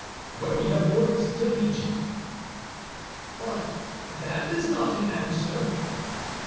"Where we have orders to lead you." "But that is not an answer."